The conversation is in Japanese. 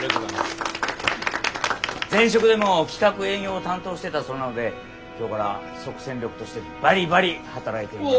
前職でも企画営業を担当してたそうなので今日から即戦力としてバリバリ働いて。